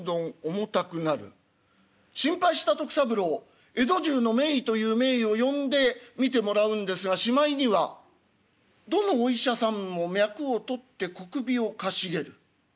心配した徳三郎江戸中の名医という名医を呼んで診てもらうんですがしまいにはどのお医者さんも脈をとって小首をかしげる。